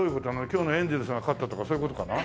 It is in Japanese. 今日のエンゼルスが勝ったとかそういう事かな？